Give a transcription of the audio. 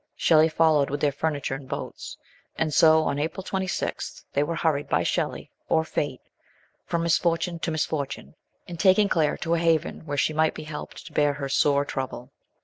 Shelley followed with their furniture in boats; and so, on April 26, they were hurried by Shelley, or fate, from misfortune to misfortune, in taking Claire to a haven where she might be helped to bear her sore trouble.